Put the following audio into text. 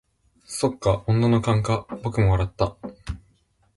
「そっか、女の勘か」僕も笑った。